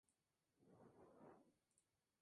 Habita en Asia, Paleártico.